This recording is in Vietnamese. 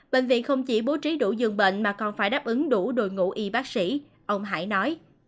bệnh viện không chỉ bố trí đủ dường bệnh mà còn phải đáp ứng đủ đội ngũ y bác sĩ ông hải nói